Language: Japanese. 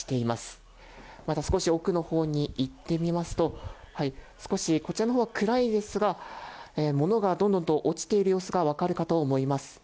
また少し奥の方に行ってみますと、少しこちらの方は暗いですが物がドンと落ちている様子がわかるかと思います。